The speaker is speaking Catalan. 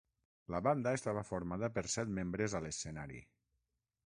La banda estava formada per set membres a l'escenari.